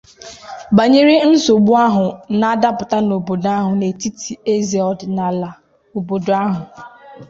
Banyere nsogbu ahụ na-adapụta n'obodo ahụ n'etiti eze ọdịnala obodo ahụ